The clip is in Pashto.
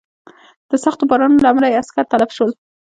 د سختو بارانونو له امله یې عسکر تلف شول.